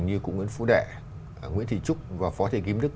như cụ nguyễn phú đệ nguyễn thị trúc và phó thị kiếm đức